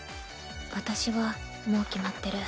私はもう決まってる。